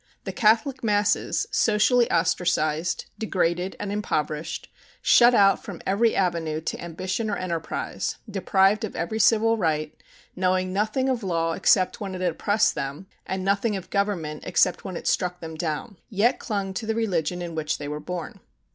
The Catholic masses, socially ostracised, degraded, and impoverished, shut out from every avenue to ambition or enterprise, deprived of every civil right, knowing nothing of law except when it oppressed them and nothing of government except when it struck them down, yet clung to the religion in which they were born.